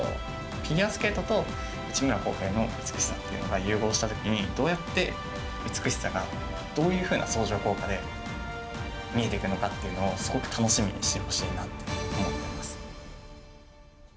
フィギュアスケートと内村航平の美しさっていうのが融合したときに、どうやって美しさが、どういうふうな相乗効果で、見えていくのかっていうのを、すごく楽しみにしてほしいなと思っています。